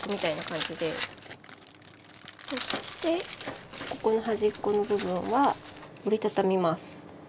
そしてここの端っこの部分は折り畳みます。